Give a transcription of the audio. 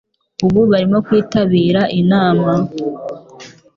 Ubu barimo kwitabira inama.